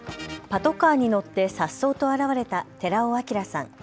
パトカーに乗ってさっそうと現れた寺尾聰さん。